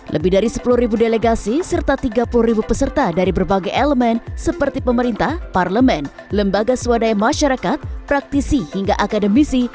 lebih dari sepuluh delegasi serta tiga puluh ribu peserta dari berbagai elemen seperti pemerintah parlemen lembaga swadaya masyarakat praktisi hingga akademisi